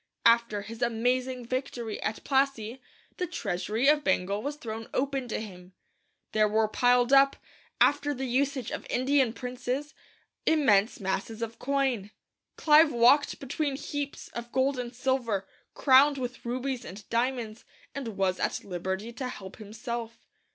After his amazing victory at Plassey, 'the treasury of Bengal was thrown open to him. There were piled up, after the usage of Indian princes, immense masses of coin. Clive walked between heaps of gold and silver, crowned with rubies and diamonds, and was at liberty to help himself.